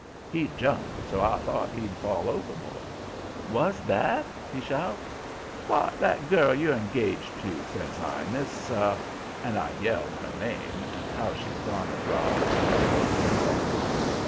"He jumped so I thought he'd fall overboard. "'What's that?' he shouts. "'Why, that girl you're engaged to,' says I. 'Miss ' and I yelled her name, and how she'd gone abroad with his folks, and all.